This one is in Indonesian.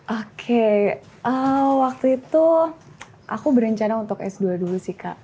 oke waktu itu aku berencana untuk s dua dulu sih kak